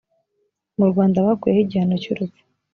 mu rwanda bakuyeho igihano cy’ urupfu